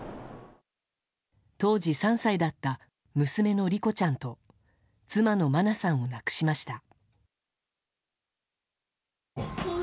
当時３歳だった娘の莉子ちゃんと妻の真菜さんを亡くしました。